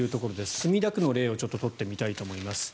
墨田区の例を見てみたいと思います。